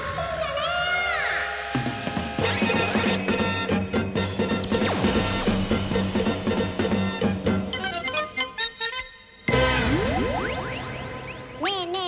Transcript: ねえねえ